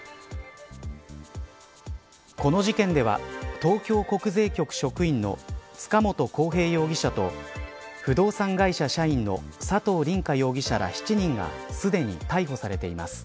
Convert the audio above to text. この事件では東京国税局職員の塚本晃平容疑者と不動産会社社員の佐藤凜果容疑者ら７人がすでに逮捕されています。